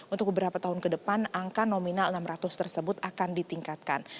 untuk beberapa tahun ke depan angka nominal enam ratus tersebut akan ditingkatkan